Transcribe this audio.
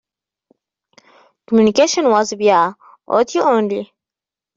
Communication was via audio only.